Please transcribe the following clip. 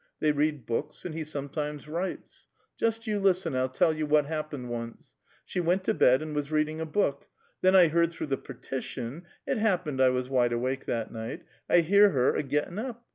They read books, and he some times wiitis. Just you listen aiM.1 1*11 tell you what liap ]iened once. Slie went to l)e<l and was reading a book. Then 1 lieard through the partition (it happened I was wide awake that night) ; 1 hear her a gittin' up.